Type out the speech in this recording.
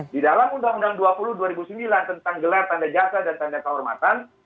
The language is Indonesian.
di dalam undang undang dua puluh dua ribu sembilan tentang gelar tanda jasa dan tanda kehormatan